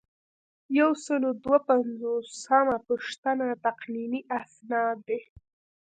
یو سل او دوه پنځوسمه پوښتنه تقنیني اسناد دي.